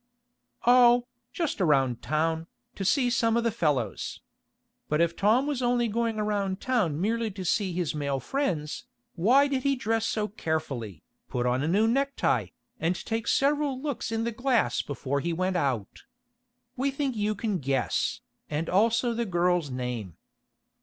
"Oh, just around town, to see some of the fellows." But if Tom was only going around town merely to see his male friends, why did he dress so carefully, put on a new necktie, and take several looks in the glass before he went out? We think you can guess, and also the girl's name.